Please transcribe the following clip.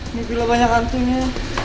ini bila banyak hantunya